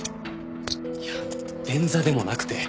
いや便座でもなくて。